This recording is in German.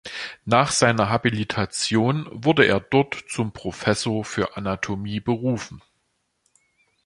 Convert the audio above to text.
Nach seiner Habilitation wurde er dort zum Professor für Anatomie berufen.